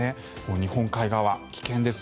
日本海側、危険です。